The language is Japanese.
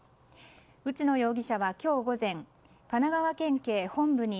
内野容疑者は今日午前、神奈川県警本部に